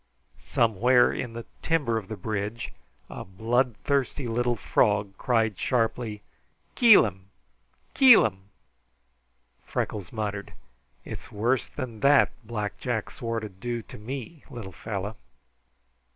Somewhere in the timber of the bridge a bloodthirsty little frog cried sharply. "KEEL'IM! KEEL'IM!" Freckles muttered: "It's worse than that Black Jack swore to do to me, little fellow."